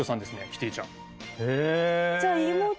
キティちゃん。